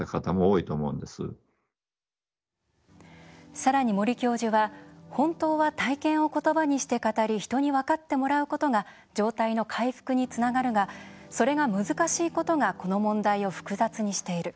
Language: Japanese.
さらに森教授は本当は体験を言葉にして語り人に分かってもらうことが状態の回復につながるがそれが難しいことがこの問題を複雑にしている。